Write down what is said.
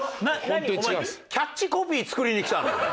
何お前キャッチコピー作りにきたの？